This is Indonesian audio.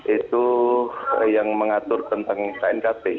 itu yang mengatur tentang knkt